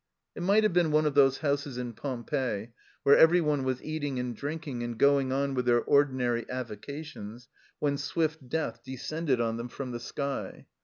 It might have been one of those houses in Pompeii where everyone was eating and drinking and going on with their ordinary avocations when swift death descended on them from the sky.